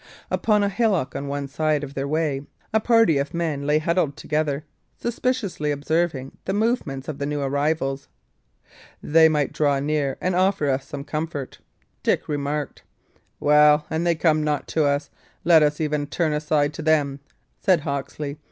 Upon a hillock on one side of their way a party of men lay huddled together, suspiciously observing the movements of the new arrivals. "They might draw near and offer us some comfort," Dick remarked. "Well, an' they come not to us, let us even turn aside to them," said Hawksley.